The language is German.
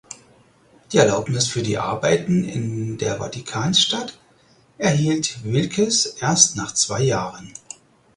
Die Erlaubnis für die Arbeiten in der Vatikanstadt erhielt Wilkes erst nach zwei Jahren.